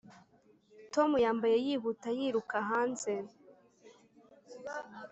tom yambaye yihuta yiruka hanze